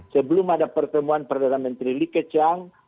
sebelum ada pertemuan perdana menteri li keqiang